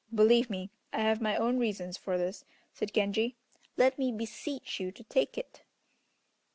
"Believe me, I have my own reasons for this," said Genji. "Let me beseech you to take it."